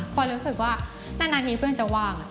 เพราะรู้สึกว่านานที่เพื่อนจะว่าง